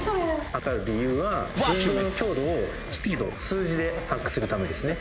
測る理由は運動の強度を数字で把握するためですね